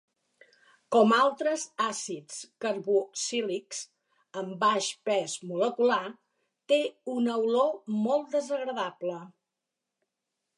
Com altres àcids carboxílics amb baix pes molecular, té una olor molt desagradable.